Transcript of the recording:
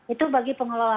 itu bagi pengelola